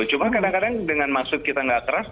cuma kadang kadang dengan maksud kita gak keras